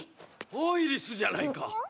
アイリスじゃないか！